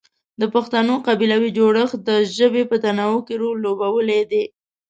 د پښتنو قبیلوي جوړښت د ژبې په تنوع کې رول لوبولی دی.